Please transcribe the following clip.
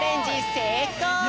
せいこう！